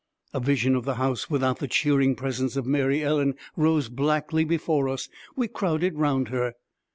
A vision of the house without the cheering presence of Mary Ellen rose blackly before us. We crowded round her.